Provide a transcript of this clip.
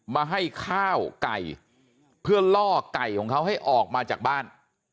มาให้ข้าวไก่เพื่อล่อไก่ของเขาให้ออกมาจากบ้าน